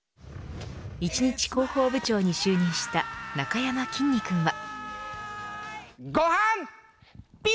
１日広報部長に就任したなかやまきんに君は。